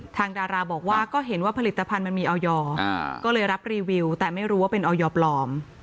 ดาราบอกว่าก็เห็นว่าผลิตภัณฑ์มันมีออยก็เลยรับรีวิวแต่ไม่รู้ว่าเป็นออยปลอม